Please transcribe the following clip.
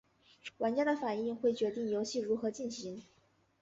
玩家的反应会决定游戏如何进行。